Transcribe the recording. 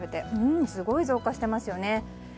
すごい増加していますよね。